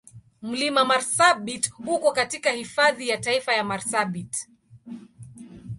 Mlima Marsabit uko katika Hifadhi ya Taifa ya Marsabit.